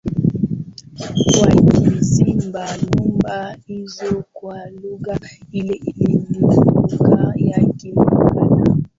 Wakiziimba nyimbo hizo kwa lugha ile ile lugha ya kilingala